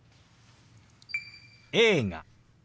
「映画」。